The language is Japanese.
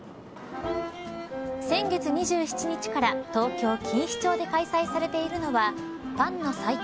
先月２７日から東京、錦糸町で開催されているのはパンの祭典